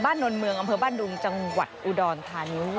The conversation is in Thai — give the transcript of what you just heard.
นนเมืองอำเภอบ้านดุงจังหวัดอุดรธานี